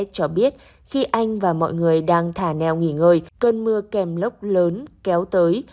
cho biết khi anh và mọi người đang thả neo nghỉ ngơi cơn mưa kèm lốc lớn kéo tới